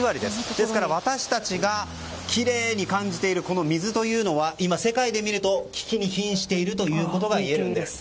ですから私たちがきれいに感じているこの水というのは今、世界で見ると危機に瀕しているということが言えるんです。